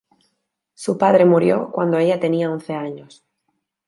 Su padre murió cuando ella tenía once años.